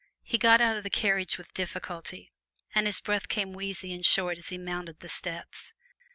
He got out of the carriage with difficulty, and his breath came wheezy and short as he mounted the steps.